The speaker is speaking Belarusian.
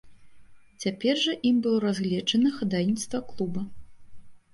Цяпер жа ім было разгледжана хадайніцтва клуба.